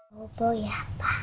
bapak ya pak